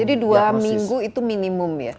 jadi dua minggu itu minimum ya